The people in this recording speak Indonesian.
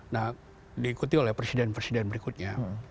nah diikuti oleh presiden presiden berikutnya